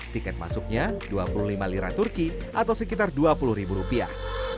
tiket masuknya dua puluh lima lira turki atau sekitar dua puluh ribu rupiah